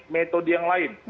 metode yang lain